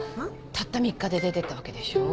たった３日で出てったわけでしょう？